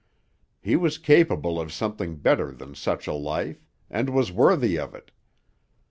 He was capable of something better than such a life; and was worthy of it.